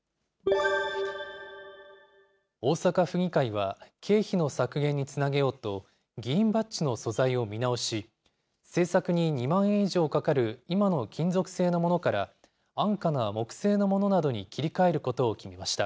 大阪府議会は、経費の削減につなげようと、議員バッジの素材を見直し、製作に２万円以上かかる今の金属製のものから、安価な木製のものなどに切り替えることを決めました。